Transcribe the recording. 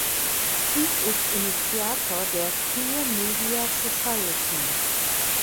Pieck ist Initiator der Queer Media Society.